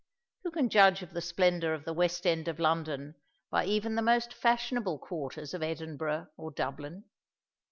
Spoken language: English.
Who can judge of the splendour of the West End of London by even the most fashionable quarters of Edinburgh or Dublin?